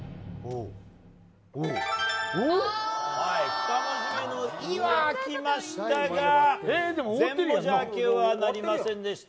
２文字目の「い」は開きましたが全文字開きはなりませんでした。